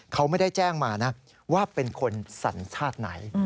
เขาไม่ได้แจ้งมานะว่าเป็นคนสัญชาติไหน